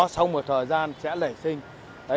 sau một thời gian sẽ lẩy sinh